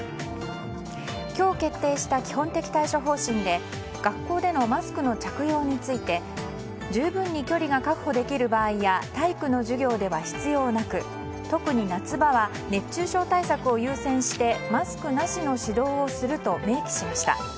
今日決定した基本的対処方針で学校でのマスクの着用について十分に距離が確保できる場合や体育の授業では必要なく特に夏場は熱中症対策を優先してマスクなしの指導をすると明記しました。